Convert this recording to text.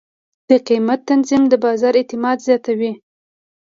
د قیمت تنظیم د بازار اعتماد زیاتوي.